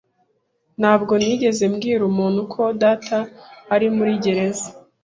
Ntabwo nigeze mbwira umuntu ko data ari muri gereza.